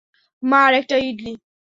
মা, আরেকটা ইডলি।